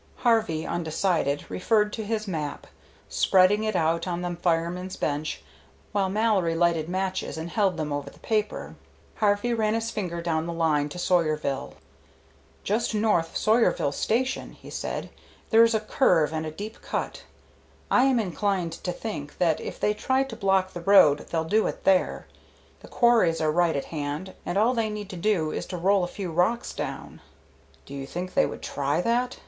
Harvey, undecided, referred to his map, spreading it out on the fireman's bench while Mallory lighted matches and held them over the paper. Harvey ran his finger down the line to Sawyerville. "Just north of the Sawyerville station," he said, "there is a curve and a deep cut. I am inclined to think that if they try to block the road they'll do it there. The quarries are right at hand, and all they need to do is to roll a few rocks down." "Do you think they would try that?"